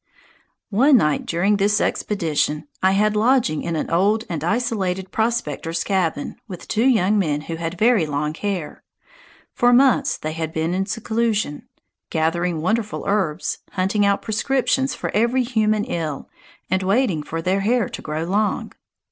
One night during this expedition I had lodging in an old and isolated prospector's cabin, with two young men who had very long hair. For months they had been in seclusion, "gathering wonderful herbs," hunting out prescriptions for every human ill, and waiting for their hair to grow long.